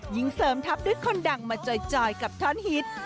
เสริมทัพด้วยคนดังมาจ่อยกับท่อนฮิต